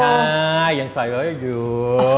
ใช่ยังใส่ไว้อยู่